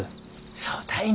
そうたいね。